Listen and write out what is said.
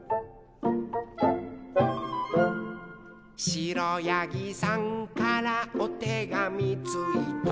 「しろやぎさんからおてがみついた」